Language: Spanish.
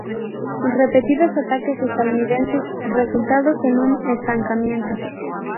Repetidos ataques estadounidenses resultaron en un estancamiento.